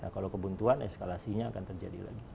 kalau kebuntuan eskalasinya akan terjadi lagi